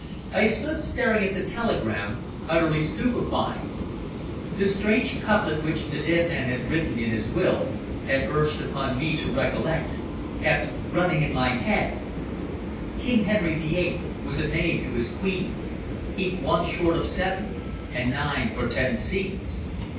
I stood staring at the telegram, utterly stupefied. The strange couplet which the dead man had written in his will, and urged upon me to recollect, kept running in my head "King Henry the Eighth was a knave to his queens. He'd one short of seven and nine or ten scenes!"